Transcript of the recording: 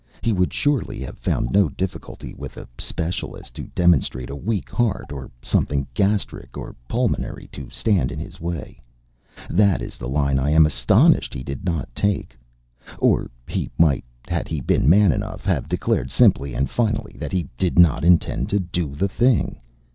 He would surely have found no difficulty with a specialist to demonstrate a weak heart, or something gastric or pulmonary, to stand in his way that is the line I am astonished he did not take, or he might, had he been man enough, have declared simply and finally that he did not intend to do the thing.